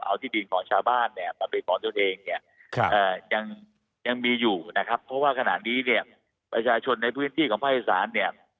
เอาธิดีห์ของชาวบ้านปรับไปก่อนเทียวเองเนี่ยยังมีอยู่นะครับเพราะว่าขนาดนี้เนี่ยประชาชนในพื้นที่ของภาคอิสานเนี่ย